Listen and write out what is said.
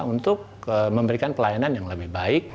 untuk memberikan pelayanan yang lebih baik